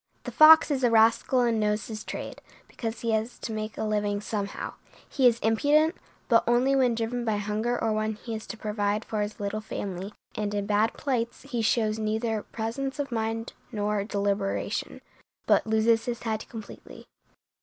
The fox is a rascal and knows his trade, because he has to make a living somehow. He is impudent, but only when driven by hunger or when he has to provide for his little family; and in bad plights he shows neither presence of mind nor deliberation, but loses his head completely.